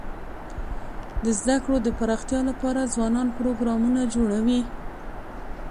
د زده کړو د پراختیا لپاره ځوانان پروګرامونه جوړوي.